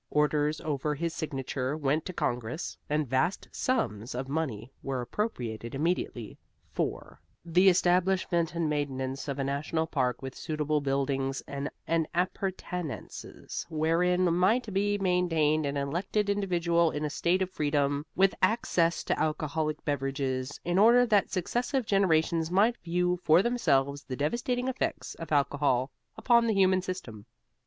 Orders over his signature went to Congress, and vast sums of money were appropriated immediately for The establishment and maintenance of a national park with suitable buildings and appurtenances wherein might be maintained an elected individual in a state of freedom, with access to alcoholic beverages, in order that successive generations might view for themselves the devastating effects of alcohol upon the human system.